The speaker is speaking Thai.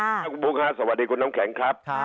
สวัสดีคุณพุทธค่ะสวัสดีคุณน้ำแข็งครับ